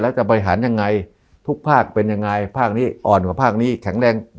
แล้วจะบริหารยังไงทุกภาคเป็นยังไงภาคนี้อ่อนกว่าภาคนี้แข็งแรง